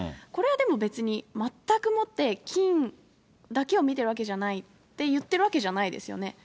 これはでも別に、全くもって金だけを見てるわけじゃないって言ってるわけじゃないですよ。